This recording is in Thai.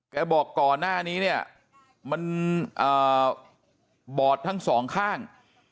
บอกก่อนหน้านี้เนี่ยมันบอดทั้งสองข้าง